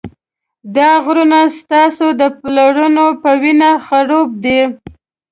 دا غرونه ستاسې د پلرونو په وینه خړوب دي.